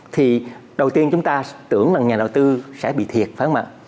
thì đầu tiên chúng ta tưởng là nhà đầu tư sẽ bị thiệt phải không ạ